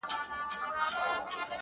ځكه چي دا خو د تقدير فيصله،